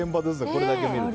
これだけ見ると。